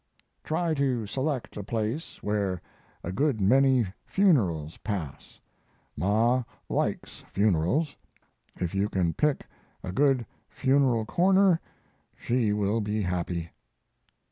Try to select a place where a good many funerals pass. Ma likes funerals. If you can pick a good funeral corner she will be happy."